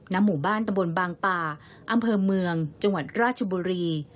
หมู่บ้านตะบนบางป่าอำเภอเมืองจังหวัดราชบุรี